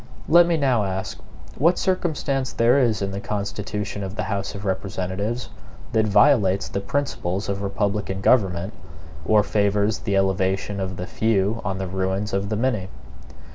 Let me now ask what circumstance there is in the constitution of the House of Representatives that violates the principles of republican government, or favors the elevation of the few on the ruins of the many?